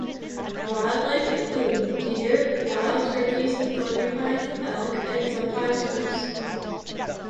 Wildlife includes deer, wild turkeys, porcupines, elk, and sometimes moose.